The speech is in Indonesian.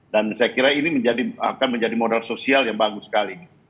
dan saya kira ini akan menjadi modal sosial yang bagus sekali